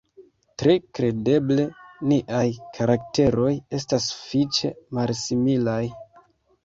Tre kredeble niaj karakteroj estas sufiĉe malsimilaj.